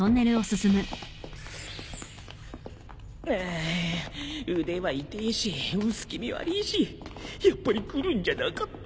あ腕はいてえし薄気味わりぃしやっぱり来るんじゃなかった。